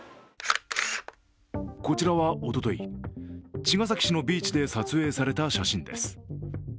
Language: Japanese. こちらはおととい、茅ヶ崎市のビーチで撮影された写真です。